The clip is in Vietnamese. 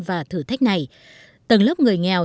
và thử thách này tầng lớp người nghèo